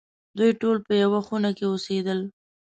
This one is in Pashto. دوی ټول په یوه خونه کې اوسېدل.